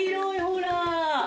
ほら。